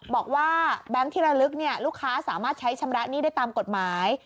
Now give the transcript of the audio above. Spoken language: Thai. แบงค์ที่ระลึกลูกค้าสามารถใช้ชำระหนี้ได้ตามกฎหมาย